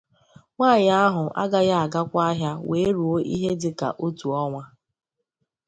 Nwaanyị ahụ agaghị agakwa ahịa wee ruo ihe dịka otu ọnwa.